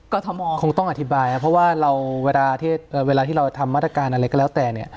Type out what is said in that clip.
ก่อนที่ต้องอธิบายค่ะเพราะว่าเวลาที่เราทำมาตรการอะไรก็แล้วแต่